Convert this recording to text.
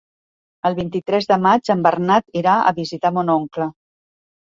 El vint-i-tres de maig en Bernat irà a visitar mon oncle.